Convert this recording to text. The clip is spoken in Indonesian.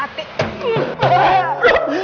sampai ketemu besok